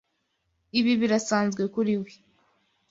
Ibi birasanzwe kuri we.